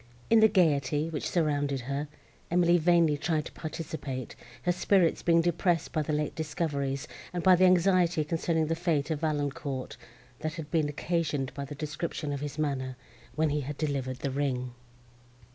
In the gaiety, which surrounded her, Emily vainly tried to participate, her spirits being depressed by the late discoveries, and by the anxiety concerning the fate of Valancourt, that had been occasioned by the description of his manner, when he had delivered the ring.